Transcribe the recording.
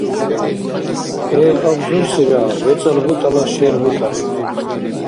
кӀел абзурсира вецӀал бутӀала шел бутӀара